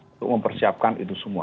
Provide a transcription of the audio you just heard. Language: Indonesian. untuk mempersiapkan itu semua